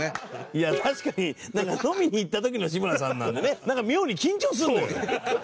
いや確かに飲みに行った時の志村さんなんでねなんか妙に緊張するのよ。